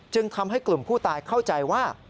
ทำให้กลุ่มผู้ตายเข้าใจว่า